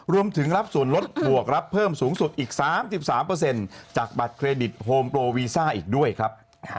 รวมถึงรับส่วนลดบวกรับเพิ่มสูงสุดอีก๓๓จากบัตรเครดิตโฮมโปรวีซ่าอีกด้วยครับ